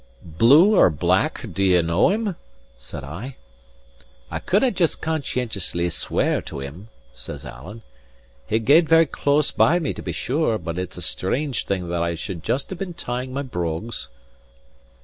"Blue or black, did ye know him?" said I. "I couldnae just conscientiously swear to him," says Alan. "He gaed very close by me, to be sure, but it's a strange thing that I should just have been tying my brogues."